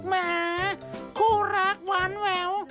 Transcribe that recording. แหมคู่รักหวานแวว